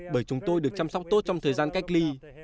bởi chúng tôi được chăm sóc tốt trong thời gian cách ly